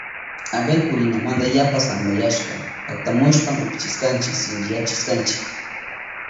Abel purinamanta yapa sampayashka paktamushpan upyachishpanchi sinchikuchishkanchi.